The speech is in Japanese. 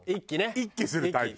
一揆するタイプ。